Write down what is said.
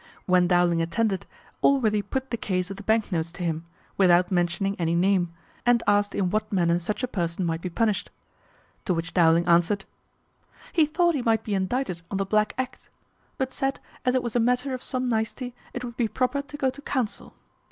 When Dowling attended, Allworthy put the case of the bank notes to him, without mentioning any name, and asked in what manner such a person might be punished. To which Dowling answered, "He thought he might be indicted on the Black Act; but said, as it was a matter of some nicety, it would be proper to go to counsel.